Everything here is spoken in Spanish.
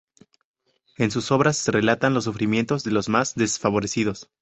En sus obras se relatan los sufrimientos de los más desfavorecidos.